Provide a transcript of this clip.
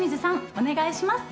お願いします。